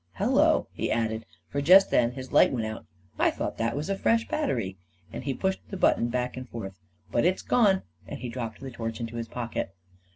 Hello," he added, for just then his light went out. " I thought that was a fresh battery, 91 and he pushed the button back and forth, " but it's gone 1 " and he dropped the torch into his pocket.